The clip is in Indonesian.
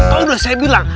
tau udah saya bilang